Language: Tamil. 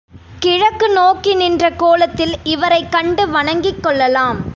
கிழக்கு நோக்கி நின்ற கோலத்தில் இவரைக் கண்டு வணங்கிக் கொள்ளலாம்.